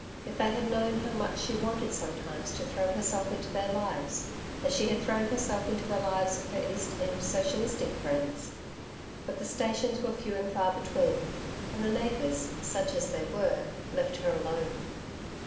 If they had known how much she wanted sometimes to throw herself into their lives as she had thrown herself into the lives of her East End socialistic friends! But the stations were few and far between, and the neighbours such as they were left her alone.